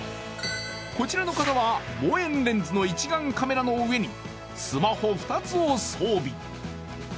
こちらの方は望遠レンズの一眼カメラの上にスマホ２つを装備。